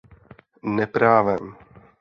Neprávem.